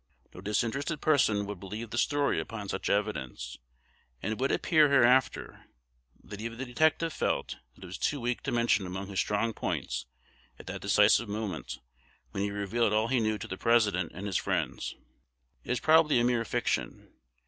No disinterested person would believe the story upon such evidence; and it will appear hereafter, that even the detective felt that it was too weak to mention among his strong points at that decisive moment, when he revealed all he knew to the President and his friends. It is probably a mere fiction.